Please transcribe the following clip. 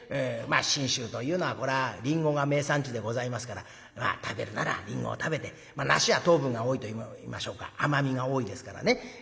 信州というのはこれはりんごが名産地でございますから食べるならりんごを食べてまあ梨は糖分が多いといいましょうか甘みが多いですからね